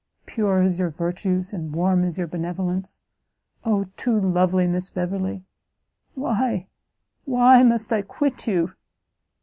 pure as your virtues, and warm as your benevolence! Oh too lovely Miss Beverley! why, why must I quit you!"